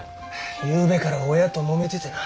ゆうべから親ともめててな。